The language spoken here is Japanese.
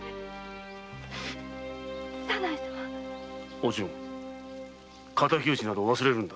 お順敵討ちなど忘れるのだ。